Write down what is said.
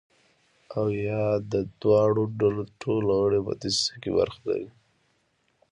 او یا د دواړو ډلو ټول غړي په دسیسه کې برخه لري.